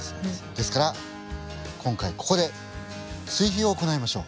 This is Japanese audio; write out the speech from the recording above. ですから今回ここで追肥を行いましょう！